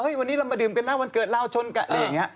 เฮ้ยวันนี้เรามาดื่มเท่าวันเกิดเราจนกัด